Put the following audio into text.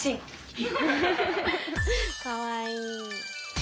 かわいい。